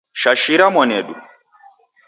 Shashira mwanedu.